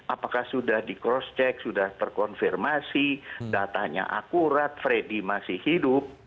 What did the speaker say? apakah sudah di cross check sudah terkonfirmasi datanya akurat freddy masih hidup